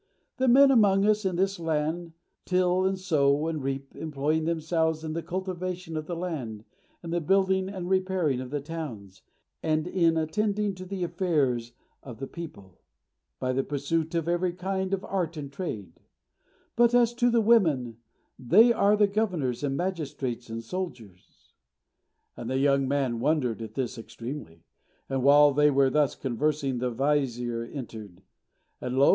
The men among us, in this land, till and sow and reap, employing themselves in the cultivation of the land, and the building and repairing of the towns, and in attending to the affairs of the people, by the pursuit of every kind of art and trade; but as to the women, they are the governors and magistrates and soldiers." And the young man wondered at this extremely. And while they were thus conversing, the vizier entered; and lo!